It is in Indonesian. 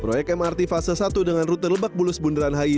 proyek mrt fase satu dengan rute lebak bulus bundaran hi